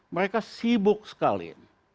mereka sibuk sekali